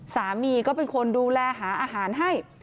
สามีก็เป็นคนดูแลหาอาหารให้